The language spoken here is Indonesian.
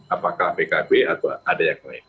apakah pkb atau ada yang lain